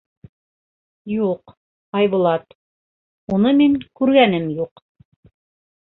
— Юҡ, Айбулат, уны мин күргәнем юҡ.